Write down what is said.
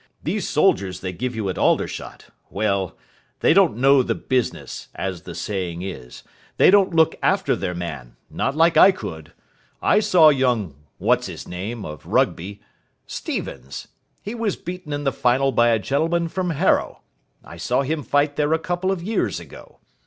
These soldiers they give you at Aldershot well, they don't know the business, as the saying is. They don't look after their man, not like I could. I saw young what's his name, of Rugby Stevens: he was beaten in the final by a gentleman from Harrow I saw him fight there a couple of years ago.